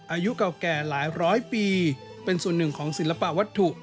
อายุเก่าแก่หลายร้อยปีเป็นส่วนหนึ่งของศิลปะวัตถุ